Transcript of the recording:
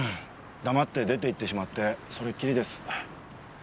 黙って出て行ってしまってそれっきりです。